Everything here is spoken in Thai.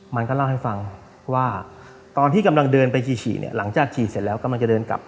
มันก็เล่าให้ฟังว่าตอนที่กำลังเดินไปฉี่เนี่ยหลังจากฉี่เสร็จแล้วกำลังจะเดินกลับ